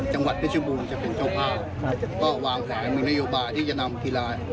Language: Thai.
จังหวัดเพชรบูรณ์จะเป็นเจ้าภาพก็วางแผนมีนโยบายที่จะนำกีฬา